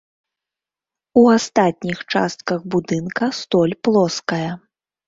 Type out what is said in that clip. У астатніх частках будынка столь плоская.